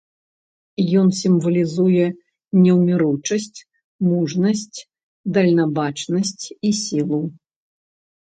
Ён сімвалізуе неўміручасць, мужнасць, дальнабачнасць і сілу.